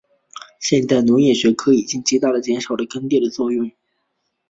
现代农业科学已经极大地减少了耕作的使用。